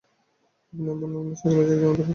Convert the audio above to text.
আপনি অ্যাবনর্ম্যাল সাইকোলজির একজন অধ্যাপক।